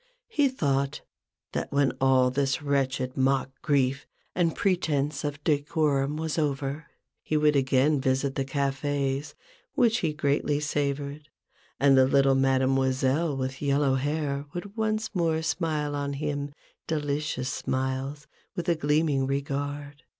He thought, that when all this wretched mock grief and pretence of decorum was over, he would again visit the cafes which he greatly savoured, and the little Mademoiselle with yellow hair would once more smile on him delicious smiles, with a gleaming regard.